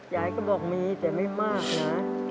ยายก็บอกมีแต่ไม่มากนะ